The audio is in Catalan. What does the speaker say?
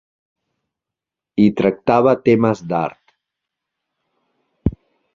Hi tractava temes d'art.